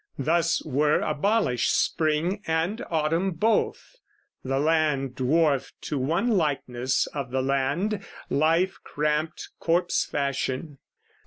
Thus were abolished Spring and Autumn both, The land dwarfed to one likeness of the land, Life cramped corpse fashion.